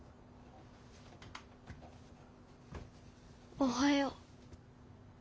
おはよう。